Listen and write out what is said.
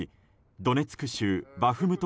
ドネツク州バフムト